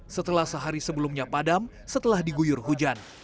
setelah sehari sebelumnya padam setelah diguyur hujan